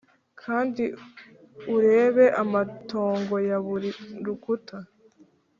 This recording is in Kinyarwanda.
kandi urebe amatongo ya buri rukuta